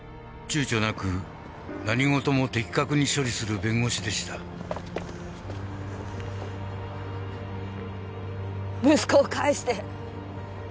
躊躇なく何ごとも的確に処理する弁護士でした息子を返して！